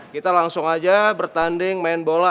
kita langsung aja bertanding main bola